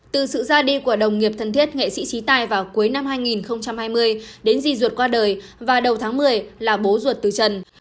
từ sự ra đi của đồng nghiệp thân thiết nghệ sĩ trí tài vào cuối năm hai nghìn hai mươi đến di duệt qua đời và đầu tháng một mươi là bố ruột từ trần